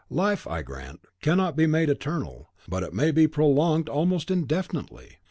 Life, I grant, cannot be made eternal; but it may be prolonged almost indefinitely.